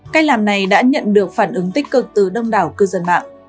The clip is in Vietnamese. cách làm này đã nhận được phản ứng tích cực từ đông đảo cư dân mạng